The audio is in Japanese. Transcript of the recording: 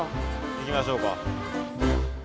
行きましょうか。